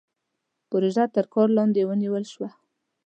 پروژه تر کار لاندې ونيول شوه.